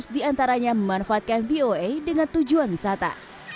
dua sembilan ratus di antaranya memanfaatkan voa dengan tujuan wisata